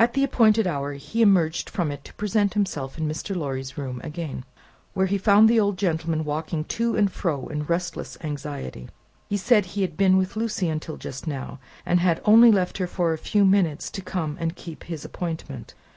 At the appointed hour, he emerged from it to present himself in Mr. Lorry's room again, where he found the old gentleman walking to and fro in restless anxiety. He said he had been with Lucie until just now, and had only left her for a few minutes, to come and keep his appointment.